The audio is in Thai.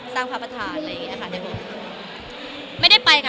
สร้างพระพธาตุอะไรแบบนี้ค่ะไม่ได้ไปค่ะ